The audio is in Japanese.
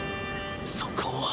そこは」。